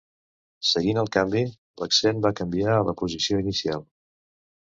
Seguint el canvi, l'accent va canviar a la posició inicial.